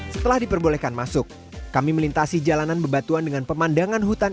setelah diperbolehkan masuk kami melintasi jalanan bebatuan dengan pemandangan hutan